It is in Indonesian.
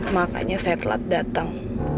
makanya saya telat datang